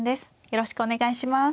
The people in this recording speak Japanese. よろしくお願いします。